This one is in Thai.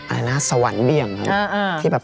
อะไรนะสวรรค์เบี่ยงครับ